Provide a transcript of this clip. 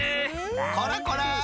こらこら！